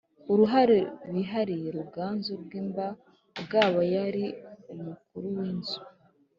uruhare bihariye Ruganzu Bwimba waba yari umukuru w inzu